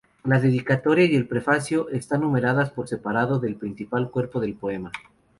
La dedicatoria y el prefacio están numeradas por separado del principal cuerpo del poema.